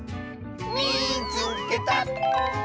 「みいつけた！」。